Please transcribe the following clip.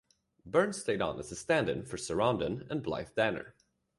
Burns stayed on as a stand-in for Sarandon and Blythe Danner.